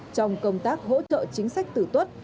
trong công tác hỗ trợ chính sách tử tuất